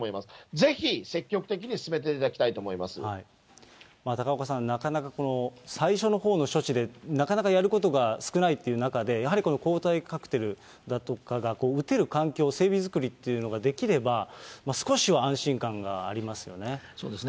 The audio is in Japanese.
ぜひ、積極的に進めていただきた高岡さん、なかなか最初のほうの処置で、なかなかやることが少ないっていう中で、やはりこの抗体カクテルとかが打てる環境、整備作りっていうのができれば、少しは安心感がありますよね。